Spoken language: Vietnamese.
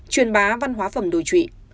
truyền bá văn hóa phẩm đồi trụy